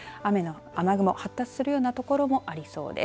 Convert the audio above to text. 雨雲、発達するような所もありそうです。